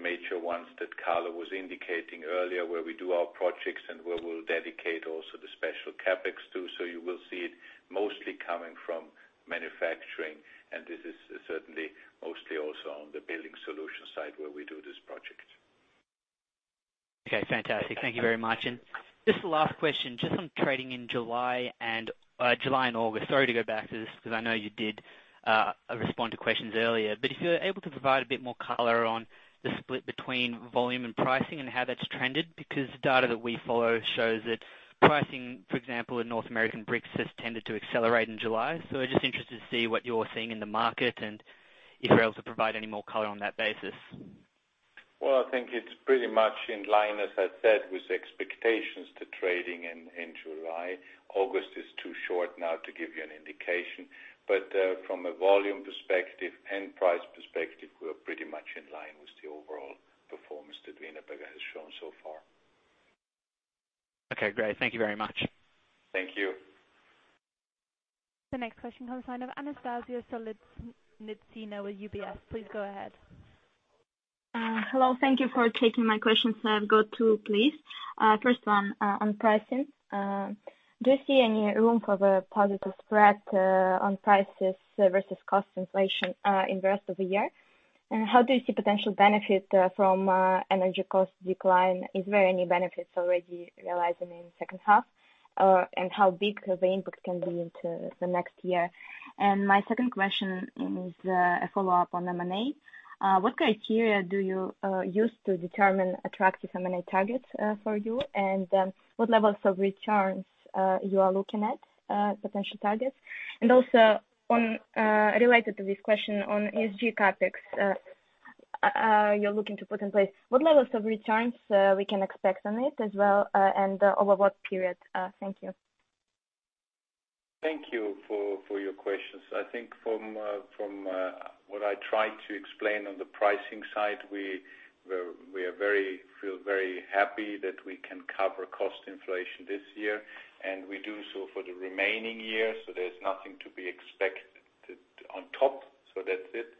major ones that Carlo was indicating earlier where we do our projects and where we'll dedicate also the special CapEx too. You will see it mostly coming from manufacturing, and this is certainly mostly also on the Building Solutions side where we do this project. Okay, fantastic. Thank you very much. Just the last question, just on trading in July and August. Sorry to go back to this because I know you did respond to questions earlier, but if you're able to provide a bit more color on the split between volume and pricing and how that's trended? The data that we follow shows that pricing, for example, in North American bricks has tended to accelerate in July. Just interested to see what you're seeing in the market and if you're able to provide any more color on that basis? I think it's pretty much in line, as I said, with the expectations to trading in July. August is too short now to give you an indication, but from a volume perspective and price perspective, we're pretty much in line with the overall performance that Wienerberger has shown so far. Okay, great. Thank you very much. Thank you. The next question comes the line of Anastasios Zavitsanakis with UBS. Please go ahead. Hello. Thank you for taking my questions. I've got two, please. First one on pricing. Do you see any room for the positive spread on prices versus cost inflation in the rest of the year? How do you see potential benefit from energy cost decline? Is there any benefits already realizing in second half? How big the impact can be into the next year? My second question is a follow-up on M&A. What criteria do you use to determine attractive M&A targets for you? What levels of returns you are looking at potential targets? Related to this question on ESG CapEx you're looking to put in place. What levels of returns we can expect on it as well, and over what period? Thank you. Thank you for your questions. I think from what I tried to explain on the pricing side, we feel very happy that we can cover cost inflation this year, and we do so for the remaining year. There's nothing to be expected on top. That's it.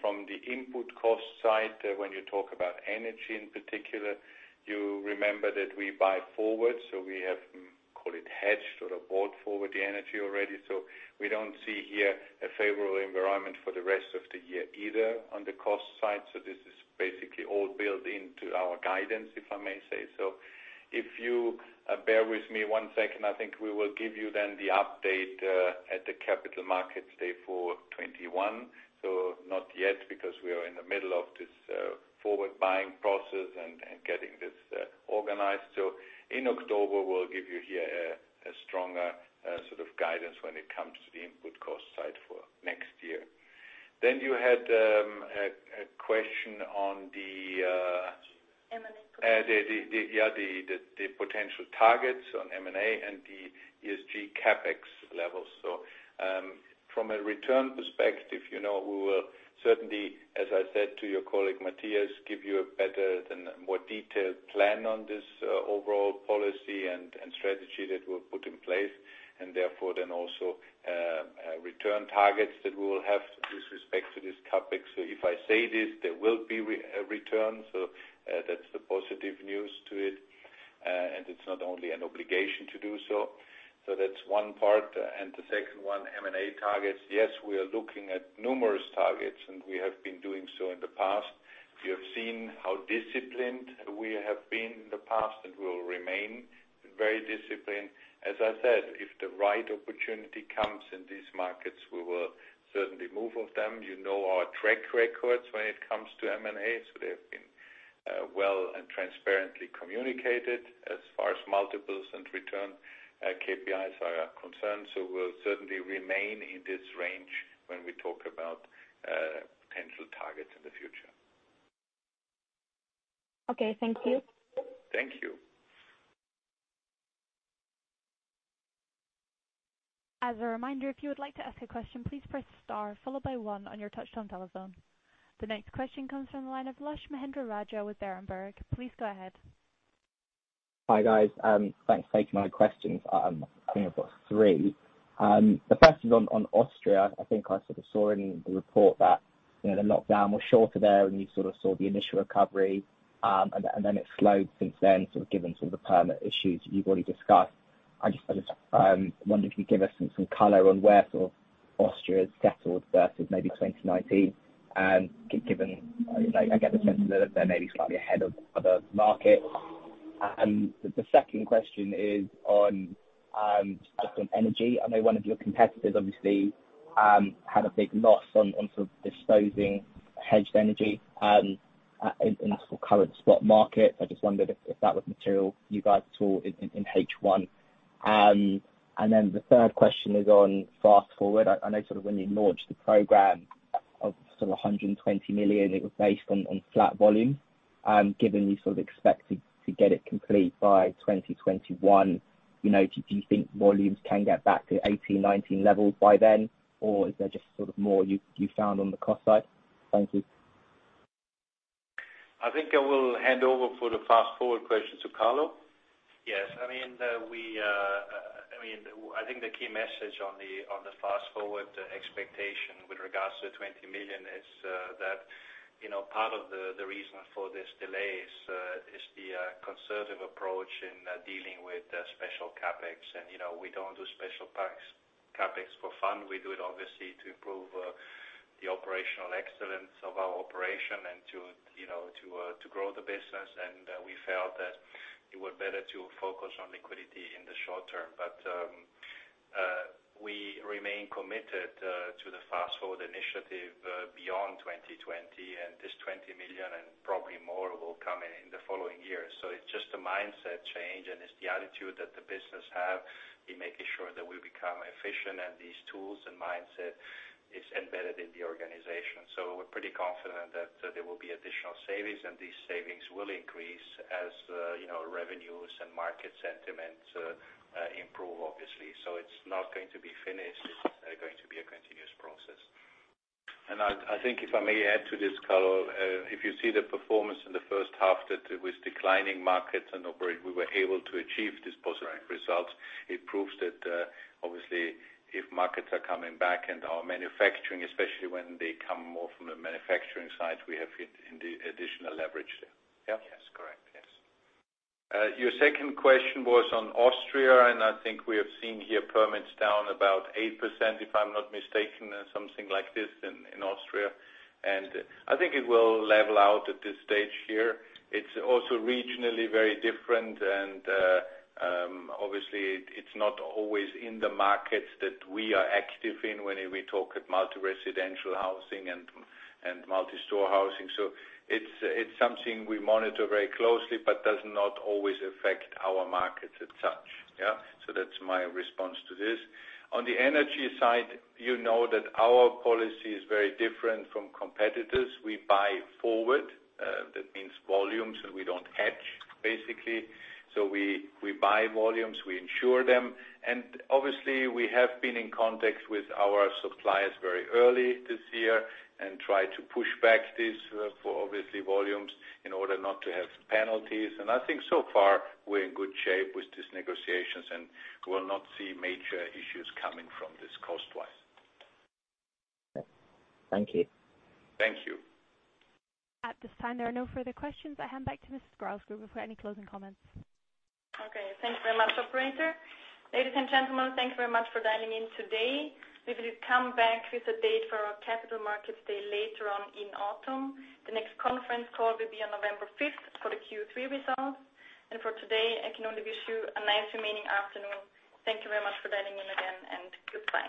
From the input cost side, when you talk about energy in particular, you remember that we buy forward, so we have, call it hedged or bought forward the energy already. We don't see here a favorable environment for the rest of the year, either on the cost side. This is basically all built into our guidance, if I may say so. If you bear with me one second, I think we will give you then the update at the capital markets day for 2021. Not yet because we are in the middle of this forward buying process and getting this organized. In October, we'll give you here a stronger sort of guidance when it comes to the input cost side for next year. M&A question. Yeah. The potential targets on M&A and the ESG CapEx levels. From a return perspective, we will certainly, as I said to your colleague, Matthias, give you a better and more detailed plan on this overall policy and strategy that we'll put in place, and therefore then also return targets that we will have with respect to this CapEx. If I say this, there will be a return. That's the positive news to it. It's not only an obligation to do so. That's one part. The second one, M&A targets. Yes, we are looking at numerous targets, and we have been doing so in the past. You have seen how disciplined we have been in the past and will remain very disciplined. As I said, if the right opportunity comes in these markets, we will certainly move of them. You know our track records when it comes to M&A, they have been well and transparently communicated as far as multiples and return, KPIs are concerned. We'll certainly remain in this range when we talk about potential targets in the future. Okay. Thank you. Thank you. The next question comes from the line of Lush Mahendrarajah with Berenberg. Please go ahead. Hi, guys. Thanks for taking my questions. I think I've got three. The first is on Austria. I think I sort of saw in the report that the lockdown was shorter there when you sort of saw the initial recovery. It slowed since then, given some of the permit issues you've already discussed. I just wondered if you could give us some color on where Austria's settled versus maybe 2019, given, I get the sense that they're maybe slightly ahead of other markets. The second question is on energy. I know one of your competitors obviously had a big loss on sort of disposing hedged energy, in the current spot market. I just wondered if that was material you guys saw in H1. The third question is on Fast Forward. I know sort of when you launched the program of sort of 120 million, it was based on flat volume. Given you sort of expect to get it complete by 2021, do you think volumes can get back to 2018, 2019 levels by then? Is there just sort of more you found on the cost side? Thank you. I think I will hand over for the Fast Forward question to Carlo. Yes. I think the key message on the Fast Forward expectation with regards to 20 million is that part of the reason for this delay is the conservative approach in dealing with special CapEx. We don't do special CapEx for fun. We do it obviously to improve the operational excellence of our operation and to grow the business. We felt that it was better to focus on liquidity in the short term. We remain committed to the Fast Forward initiative beyond 2020. This 20 million and probably more will come in in the following years. It's just a mindset change and it's the attitude that the business have in making sure that we become efficient and these tools and mindset is embedded in the organization. We're pretty confident that there will be additional savings, and these savings will increase as revenues and market sentiment improve, obviously. It's not going to be finished. It's going to be a continuous process. I think if I may add to this, Carlo, if you see the performance in the first half that it was declining markets and we were able to achieve this positive result. It proves that obviously if markets are coming back and our manufacturing, especially when they come more from the manufacturing side, we have indeed additional leverage there. Yeah? Yes. Correct. Yes. Your second question was on Austria. I think we have seen here permits down about 8%, if I'm not mistaken, something like this in Austria. I think it will level out at this stage here. It's also regionally very different. Obviously it's not always in the markets that we are active in when we talk at multi-residential housing and multi-story housing. It's something we monitor very closely but does not always affect our markets as such. Yeah. That's my response to this. On the energy side, you know that our policy is very different from competitors. We buy forward, that means volumes. We don't hedge basically. We buy volumes, we insure them. Obviously we have been in contact with our suppliers very early this year and try to push back this for obviously volumes in order not to have penalties.I think so far we're in good shape with these negotiations, and we'll not see major issues coming from this cost-wise. Thank you. Thank you. At this time, there are no further questions. I hand back to Ms. Grausgruber for any closing comments. Okay. Thanks very much, operator. Ladies and gentlemen, thank you very much for dialing in today. We will come back with a date for our capital markets day later on in autumn. The next conference call will be on November 5th for the Q3 results. For today, I can only wish you a nice remaining afternoon. Thank you very much for dialing in again, and goodbye